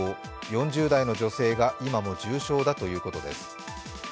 ４０代の女性が今も重症だということです。